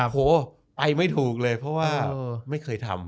โหไปไม่ถูกเลยเพราะว่าไม่เคยทำ